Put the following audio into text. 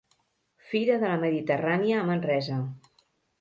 Fira de la Mediterrània a Manresa.